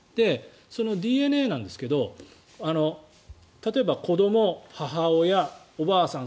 そのＤＮＡなんですけど例えば子ども、母親、おばあさん